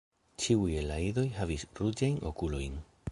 Ĉiuj el la idoj havis ruĝajn okulojn.